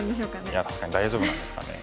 いや確かに大丈夫なんですかね。